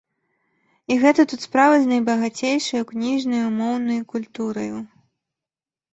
І гэта тут справа з найбагацейшаю кніжнаю моўнаю культураю.